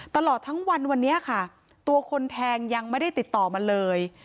ตลอดทั้งวันวันนี้ค่ะตัวคนแทงยังไม่ได้ติดต่อมาเลย